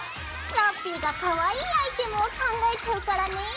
ラッピィがかわいいアイテムを考えちゃうからね。